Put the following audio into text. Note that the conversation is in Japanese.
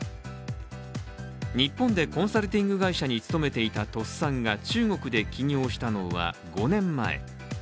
日本でコンサルティング会社に勤めていた鳥巣さんが中国で起業したのは５年前。